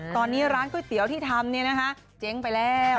ตอนนี้ร้านก๋วยเตี๋ยวที่ทำเนี่ยนะคะเจ๊งไปแล้ว